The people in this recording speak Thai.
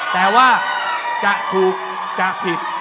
แต่ว่าจะถูกจะผิด